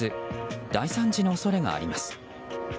大惨事の恐れがあります。